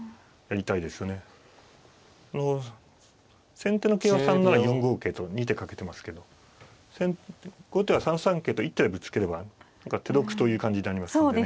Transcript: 先手の桂は３七４五桂と２手かけてますけど後手は３三桂と一手でぶつければ何か手得という感じになりますのでね。